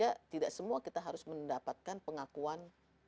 ya tidak semua kita harus mendapatkan pengakuan